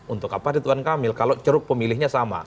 untuk apa di tuan kamil kalau ceruk pemilihnya sama